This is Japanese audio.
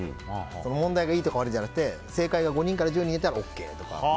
その問題がいいとか悪いじゃなくて正解が５人から１０人いたらＯＫとか。